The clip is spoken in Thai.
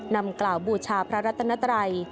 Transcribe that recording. นำกล่าวบูชาพระรัตนัตรัย